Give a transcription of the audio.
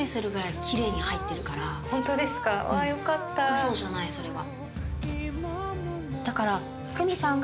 嘘じゃないそれは。